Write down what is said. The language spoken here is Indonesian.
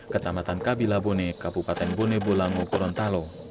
kecamatan kabila bone kabupaten bonebulango kurontalo